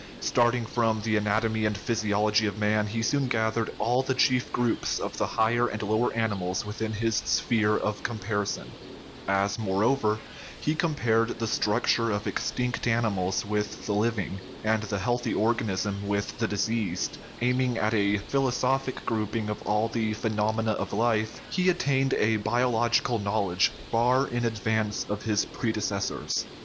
Starting from the anatomy and physiology of man, he soon gathered all the chief groups of the higher and lower animals within his sphere of comparison. As, moreover, he compared the structure of extinct animals with the living, and the healthy organism with the diseased, endeavoring to bring together all the phenomena of life in a truly philosophic fashion, he attained a biological knowledge far in advance of his predecessors.